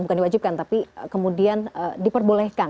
bukan diwajibkan tapi kemudian diperbolehkan